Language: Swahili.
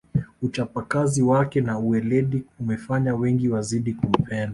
uchapakazi wake na uweledi umefanya wengi wazidi kumpenda